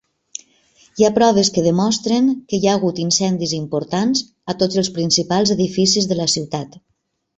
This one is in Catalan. Hi ha proves que demostren que hi ha hagut incendis importants a tots els principals edificis de la ciutat.